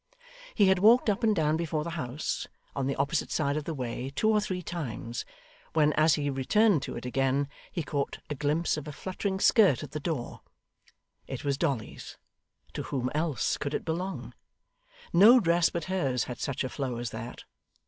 He had walked up and down before the house, on the opposite side of the way, two or three times, when as he returned to it again, he caught a glimpse of a fluttering skirt at the door. It was Dolly's to whom else could it belong? no dress but hers had such a flow as that.